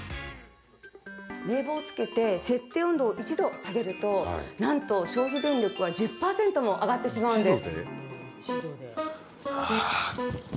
冷房をつけて設定温度を１度下げるとなんと消費電力は１０％も上がってしまうんです。